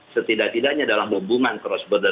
setidak tidaknya dalam hubungan cross border